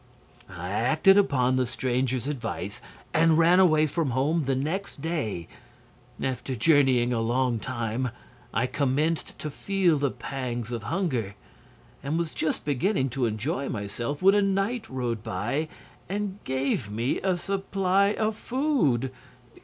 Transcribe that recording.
"I acted upon the stranger's advice and ran away from home the next day. After journeying a long time I commenced to feel the pangs of hunger, and was just beginning to enjoy myself when a knight rode by and gave me a supply of food.